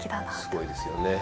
すごいですよね。